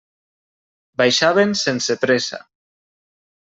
Baixaven sense pressa.